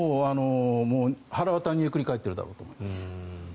はらわたは煮えくり返っているだろうと思います。